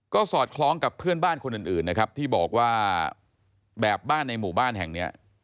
ก็สอดคล้องกับเพื่อนบ้านคนอื่นนะครับที่บอกว่าแบบบ้านในหมู่บ้านแห่งเนี้ย